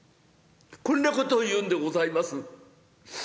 こんなことを言うんでございます。